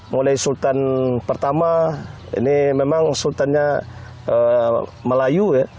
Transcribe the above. mulai sultan pertama ini memang sultannya melayu ya